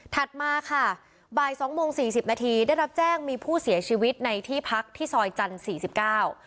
มาค่ะบ่ายสองโมงสี่สิบนาทีได้รับแจ้งมีผู้เสียชีวิตในที่พักที่ซอยจันทร์สี่สิบเก้า